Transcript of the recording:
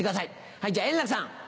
はいじゃあ円楽さん。